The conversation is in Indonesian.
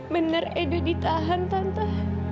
benar edo ditahan tante